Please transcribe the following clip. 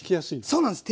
そうなんです。